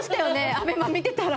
ＡＢＥＭＡ見てたら。